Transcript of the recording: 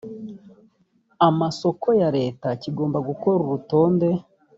amasoko ya leta kigomba gukora urutonde